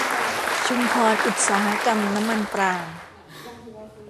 ชุมพรอุตสาหกรรมน้ำมันปาล์ม